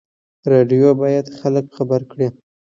راډیو باید خلک خبر کړي.